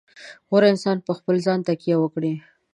غوره انسانیت په خپل ځان تکیه وکړي.